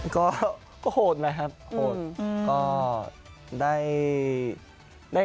ก็โหดนะครับโหด